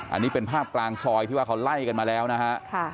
อันนี้เป็นภาพกลางซอยที่ว่าเขาไล่กันมาแล้วนะฮะ